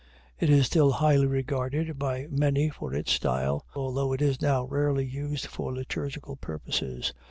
It is still highly regarded by many for its style, although it is now rarely used for liturgical purposes.